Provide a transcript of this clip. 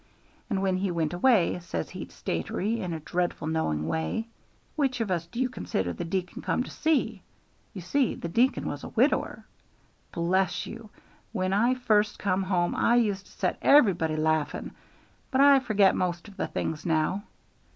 And when he went away, says he to Statiry, in a dreadful knowing way, 'Which of us do you consider the deacon come to see?' You see, the deacon was a widower. Bless you! when I first come home I used to set everybody laughing, but I forget most of the things now.